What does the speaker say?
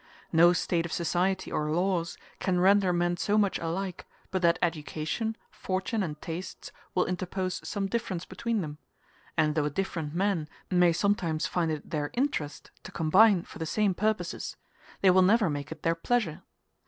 No state of society or laws can render men so much alike, but that education, fortune, and tastes will interpose some differences between them; and, though different men may sometimes find it their interest to combine for the same purposes, they will never make it their pleasure.